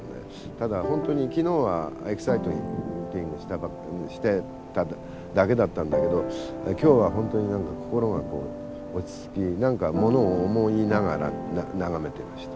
ただ本当に昨日はエキサイティングしてただけだったんだけど今日は本当に何か心が落ち着き物を思いながら眺めていました。